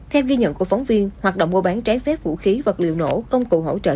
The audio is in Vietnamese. theo ghi nhận của phóng viên hoạt động mua bán trái phép vũ khí vật liệu nổ công cụ hỗ trợ